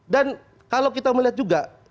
dan kalau kita melihat juga